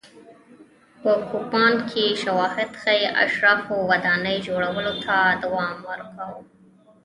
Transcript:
په کوپان کې شواهد ښيي اشرافو ودانۍ جوړولو ته دوام ورکاوه.